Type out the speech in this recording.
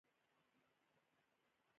دریم د زده کړې ستراتیژي یا تګلاره ده.